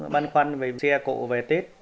băn khoăn về xe cộ về tết